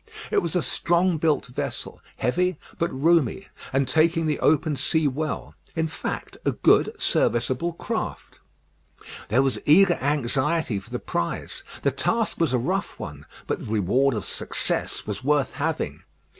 It was a strong built vessel, heavy, but roomy, and taking the open sea well; in fact, a good, serviceable craft. There was eager anxiety for the prize; the task was a rough one, but the reward of success was worth having.